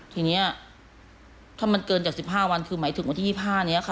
ทีนี้ถ้ามันเกินจาก๑๕วันคือหมายถึงวันที่๒๕นี้ค่ะ